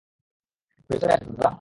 ভিতরে আসুন, দাদা।